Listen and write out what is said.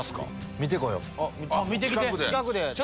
見て来よう。